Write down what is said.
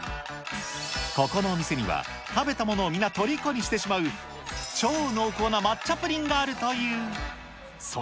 ここの店には、食べた者を皆とりこにしてしまう超濃厚な抹茶プリンがあるという。